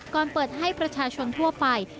เปิดให้ประชาชนทั่วไป